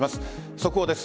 速報です。